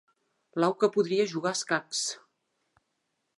L'au que podria jugar a escacs.